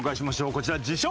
こちら自称